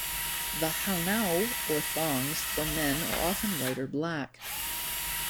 The "hanao", or thongs, for men are often white or black.